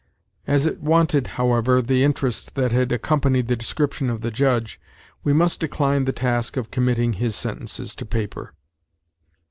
As it wanted, however, the interest that had accompanied the description of the Judge, we must decline the task of committing his sentences to paper.